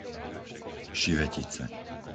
Šivetice